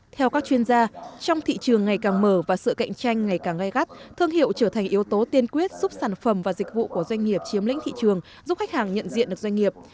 theo các chuyên gia trong thị trường ngày càng mở và sự cạnh tranh ngày càng gai gắt thương hiệu trở thành yếu tố tiên quyết giúp sản phẩm và dịch vụ của doanh nghiệp chiếm lĩnh thị trường giúp khách hàng nhận diện được doanh nghiệp